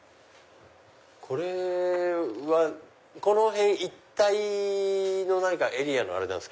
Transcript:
これはこの辺一帯のエリアのあれなんですか？